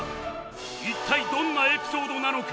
一体どんなエピソードなのか？